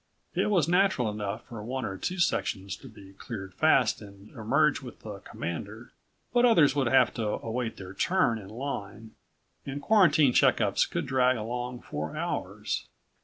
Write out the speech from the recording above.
It was natural enough for one or two sections to be cleared fast and emerge with the Commander. But others would have to await their turn in line and quarantine checkups could drag along for hours.